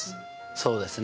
そうですね。